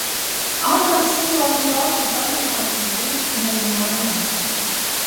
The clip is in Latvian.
Ārkārtas situāciju valstī pagarināja līdz divpadsmitajam maijam.